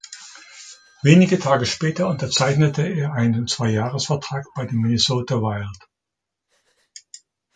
Wenige Tage später unterzeichnete er einen Zweijahresvertrag bei den Minnesota Wild.